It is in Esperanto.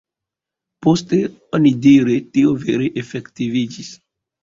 Poste onidire tio vere efektiviĝis.